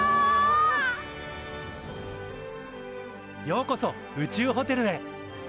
ようこそ宇宙ホテルへ。